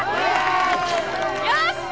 よし！